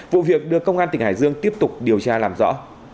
vụ việc đưa công an tỉnh hải dương tiếp tục điều tra làm rõ